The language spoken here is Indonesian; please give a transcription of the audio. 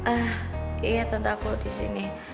ah iya tante aku disini